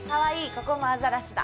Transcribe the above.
ここもアザラシだ。